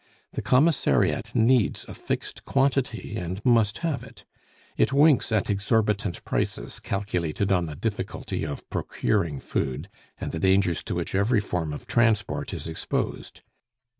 The Commissariat needs a fixed quantity and must have it. It winks at exorbitant prices calculated on the difficulty of procuring food, and the dangers to which every form of transport is exposed.